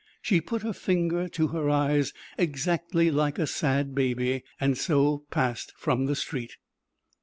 She put her finger to her eyes, exactly like a sad baby, and so passed from the street.